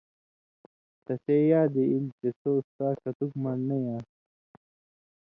تسے یادی ایل چےۡ ݜُو اُستا کتک من٘ڑنَیں آن٘س